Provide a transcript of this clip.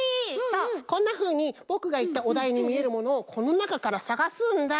そうこんなふうにぼくがいったおだいにみえるものをこのなかからさがすんだ。